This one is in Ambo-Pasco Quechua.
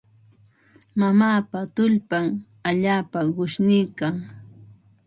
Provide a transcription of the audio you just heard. Mamaapa tullpan allaapa qushniikan.